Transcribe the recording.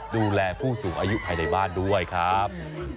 ดูแลผู้สูงอายุภายในบ้านด้วยครับ